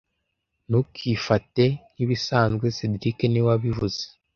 Ntukifate nkibisanzwe cedric niwe wabivuze